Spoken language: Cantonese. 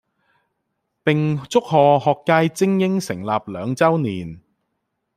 並祝賀學界菁英成立兩周年